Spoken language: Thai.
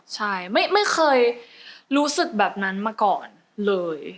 ใช่ไม่เคยรู้สึกแบบนั้นมาก่อนเลย